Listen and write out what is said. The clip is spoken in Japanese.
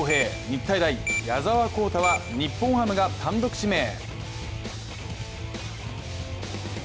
日体大・矢澤宏太は日本ハムが単独指名。